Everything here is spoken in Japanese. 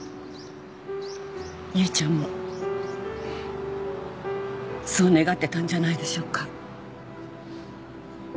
結衣ちゃんもそう願ってたんじゃないでしょうか。